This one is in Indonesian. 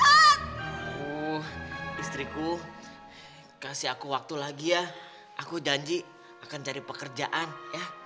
oh istriku kasih aku waktu lagi ya aku janji akan cari pekerjaan ya